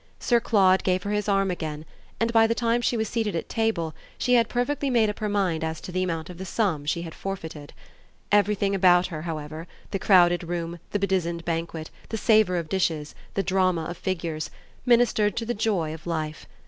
Sir Claude gave her his arm again, and by the time she was seated at table she had perfectly made up her mind as to the amount of the sum she had forfeited. Everything about her, however the crowded room, the bedizened banquet, the savour of dishes, the drama of figures ministered to the joy of life.